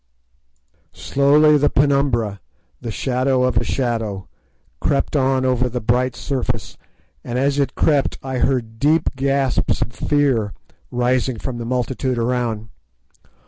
Slowly the penumbra, the shadow of a shadow, crept on over the bright surface, and as it crept I heard deep gasps of fear rising from the multitude around.